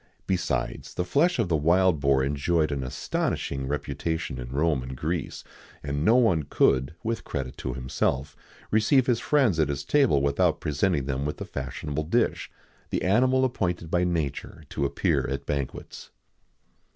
Besides, the flesh of the wild boar enjoyed an astonishing reputation in Rome and Greece,[XIX 71] and no one could, with credit to himself, receive his friends at his table without presenting them with the fashionable dish, the animal appointed by nature to appear at banquets.